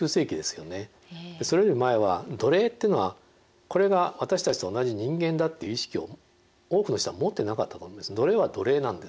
それより前は奴隷っていうのはこれが私たちと同じ人間だっていう意識を多くの人は持ってなかったと思うんです